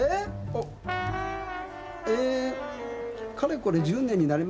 おえーかれこれ１０年になりますか？